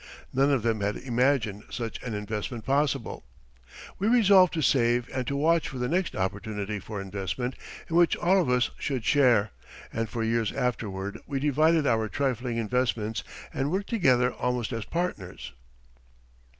None of them had imagined such an investment possible. We resolved to save and to watch for the next opportunity for investment in which all of us should share, and for years afterward we divided our trifling investments and worked together almost as partners.